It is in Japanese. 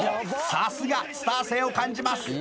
さすがスター性を感じます